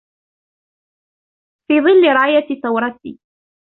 في ظل راية ثورتي